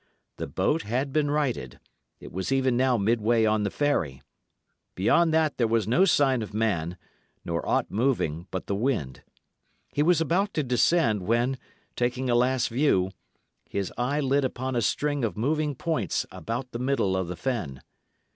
The boat had been righted it was even now midway on the ferry. Beyond that there was no sign of man, nor aught moving but the wind. He was about to descend, when, taking a last view, his eye lit upon a string of moving points about the middle of the fen.